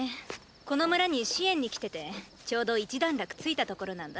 この村に支援に来ててちょうど一段落ついたところなんだ。